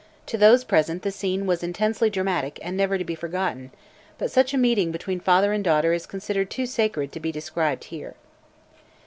To those present the scene was intensely dramatic and never to be forgotten, but such a meeting between father and daughter is considered too sacred to be described here.